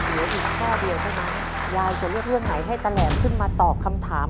เดี๋ยวอีกข้อเดียวนะยายจะเลือกเรื่องไหนให้ตะแหล่งขึ้นมาตอบคำถาม